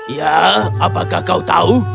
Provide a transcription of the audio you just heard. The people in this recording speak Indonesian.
ya apakah kau tahu